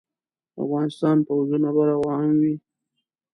د افغانستان پوځونه به روان وي.